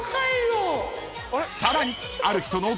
［さらにある人の］